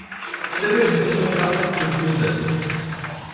Trebuie să se pună capăt impunității.